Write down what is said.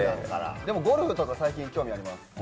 でも、ゴルフとか最近興味あります。